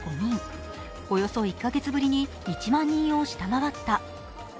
およそ１カ月ぶりに１万人を下回った。